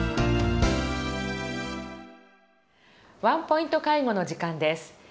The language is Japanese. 「ワンポイント介護」の時間です。